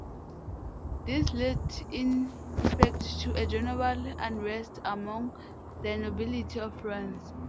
This led in effect to a general unrest among the nobility of France.